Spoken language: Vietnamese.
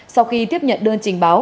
sau khi tiếp nhận đơn trình báo